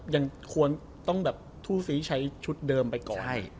ยังควรต้องแบบผู้ซื้อใช้ชุดเดิมไปก่อน